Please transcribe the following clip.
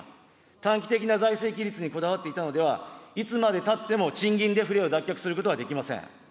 短期的な財政規律にこだわっていたのでは、いつまでたっても賃金デフレを脱却することはできません。